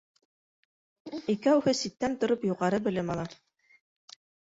Икәүһе ситтән тороп юғары белем ала.